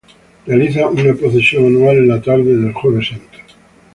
Realiza una procesión anual en la tarde del Jueves Santo.